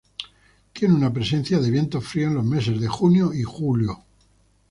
Tiene una presencia de vientos fríos en los meses de junio y julio.